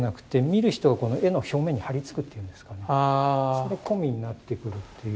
それ込みになってくるっていう。